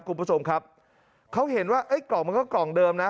คุณผู้ชมครับเขาเห็นว่าไอ้กล่องมันก็กล่องเดิมนะ